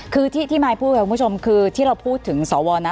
คือที่มายพูดค่ะคุณผู้ชมคือที่เราพูดถึงสวนะ